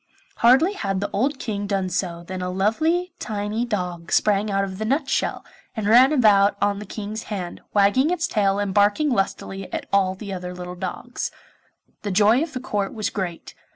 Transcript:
Hardly had the old King done so than a lovely tiny dog sprang out of the nutshell, and ran about on the King's hand, wagging its tail and barking lustily at all the other little dogs. The joy of the Court was great.